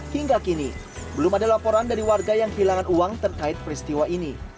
hingga kini belum ada laporan dari warga yang kehilangan uang terkait peristiwa ini